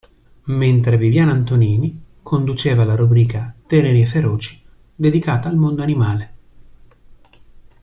Mentre Viviana Antonini conduceva la rubrica "Teneri e feroci", dedicata al mondo animale.